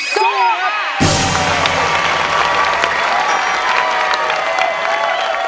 สู้ค่ะ